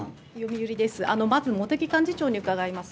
まず、茂木幹事長に伺います。